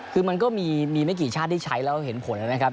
คือมันก็มีไม่กี่ชาติที่ใช้แล้วเห็นผลนะครับ